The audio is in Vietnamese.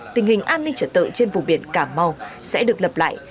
tình hình an ninh trở tự trên vùng biển cà mau sẽ được lập lại